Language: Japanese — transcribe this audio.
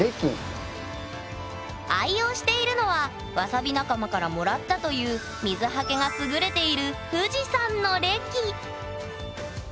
愛用しているのはわさび仲間からもらったという水はけが優れているそうです